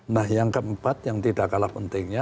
nah yang keempat yang tidak kalah pentingnya